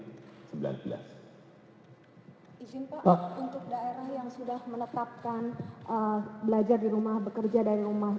izin pak untuk daerah yang sudah menetapkan belajar di rumah bekerja dari rumah